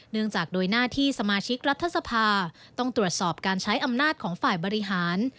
จากโดยหน้าที่สมาชิกรัฐสภาต้องตรวจสอบการใช้อำนาจของฝ่ายบริหาร